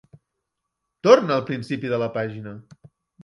Torna al principi de la pàgina.